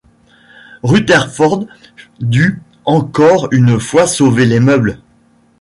Rutherford dut encore une fois sauver les meubles.